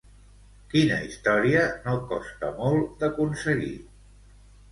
Quina història no costa molt d'aconseguir?